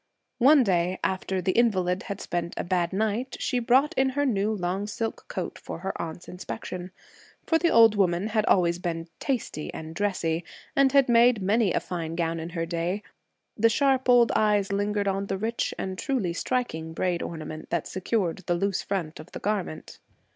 One day, after the invalid had spent a bad night, she brought in her new long silk coat for her aunt's inspection, for the old woman had always been 'tasty' and 'dressy,' and had made many a fine gown in her day. The sharp old eyes lingered on the rich and truly striking braid ornament that secured the loose front of the garment.